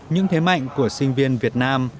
những thế mạnh của sinh viên việt nam